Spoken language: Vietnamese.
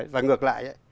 và ngược lại